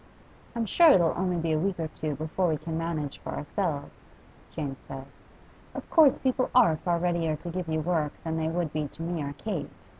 'I'm sure it'll only be a week or two before we can manage for ourselves,' Jane said. 'Of course, people are far readier to give you work than they would be to me or Kate.